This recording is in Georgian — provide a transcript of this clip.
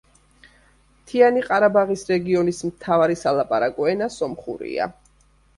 მთიანი ყარაბაღის რეგიონის მთავარი სალაპარაკო ენა სომხურია.